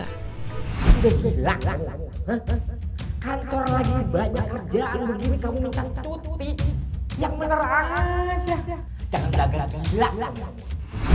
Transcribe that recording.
kantornya dibayar kerjaan begini kamu mencantum tutupi yang bener aja jangan beragak agak enggak gue nggak boleh kalah sama ketakutan gue sendiri dimana ada kemauan pasti dia akan menangis